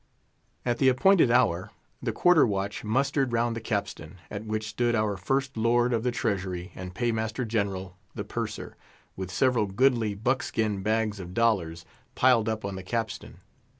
At the appointed hour, the quarter watch mustered round the capstan, at which stood our old First Lord of the Treasury and Pay Master General, the Purser, with several goodly buck skin bags of dollars, piled up on the capstan.